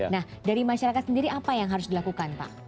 nah dari masyarakat sendiri apa yang harus dilakukan pak